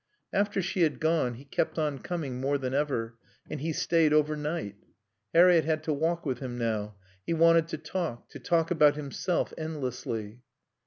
After she had gone he kept on coming more than ever, and he stayed overnight. Harriett had to walk with him now. He wanted to talk, to talk about himself, endlessly.